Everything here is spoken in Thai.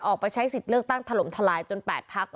ออกไปใช้สิทธิ์เลือกตั้งถล่มทลายจน๘พัก